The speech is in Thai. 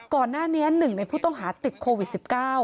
ก่อนหน้านี้๑ในผู้ต้องหาติดโควิด๑๙